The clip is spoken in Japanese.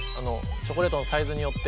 チョコレートのサイズによって。